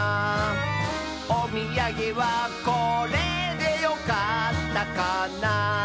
「おみやげはこれでよかったかな」